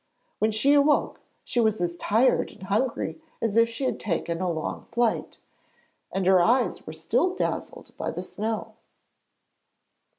When she awoke she was as tired and hungry as if she had taken a long flight, and her eyes were still dazzled by the snow.